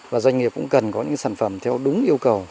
và doanh nghiệp cũng cần có những sản phẩm theo đúng yêu cầu